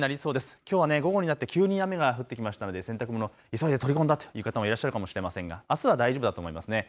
きょうは午後になって急に雨が降ってきましたので洗濯物急いで取り込んだっていう方もいらっしゃるかもしれませんがあすは大丈夫だと思いますね。